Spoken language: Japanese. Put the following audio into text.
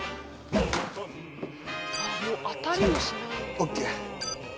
ＯＫ。